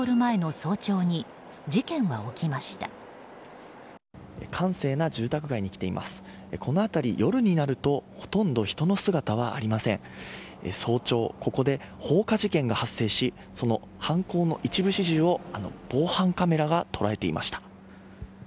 早朝、ここで放火事件が発生しその犯行の一部始終をあの防犯カメラが捉えていました。